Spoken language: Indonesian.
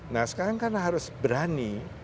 nah sekarang kan harus berani